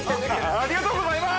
ありがとうございます。